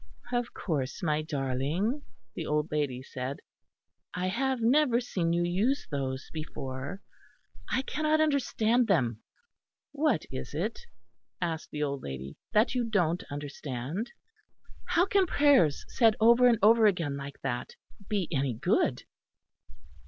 "Of course, my darling," the old lady said. "I have never seen you use those before I cannot understand them." "What is it," asked the old lady, "that you don't understand?" "How can prayers said over and over again like that be any good?"